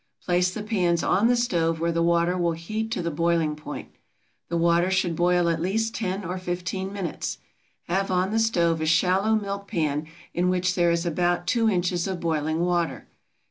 Place the pans on the stove where the water will heat to the boiling point. The water should boil at least ten or fifteen minutes. Have on the stove a shallow milk pan in which there is about 2 inches of boiling water.